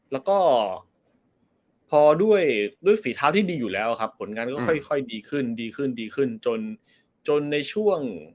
แล้วก็พอด้วยฝีเท้าที่ดีอยู่แล้วครับผลงานก็ค่อยดีขึ้นจนในช่วง